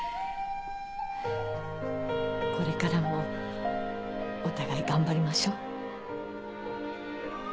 これからもお互い頑張りましょう。